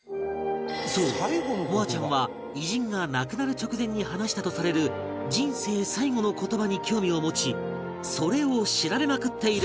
そう望亜ちゃんは偉人が亡くなる直前に話したとされる人生最期の言葉に興味を持ちそれを調べまくっている